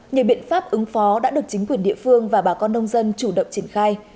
nhiều biện pháp ứng phó đã được chính quyền địa phương và bà con nông dân chủ động triển khai